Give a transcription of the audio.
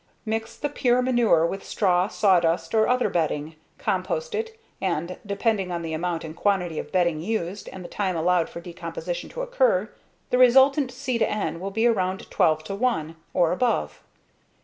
Mix the pure manure with straw, sawdust, or other bedding, compost it and, depending on the amount and quantity of bedding used and the time allowed for decomposition to occur, the resultant C/N will be around 12:1 or above.